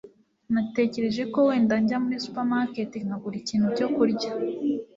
natekereje ko wenda njya muri supermarket nkagura ikintu cyo kurya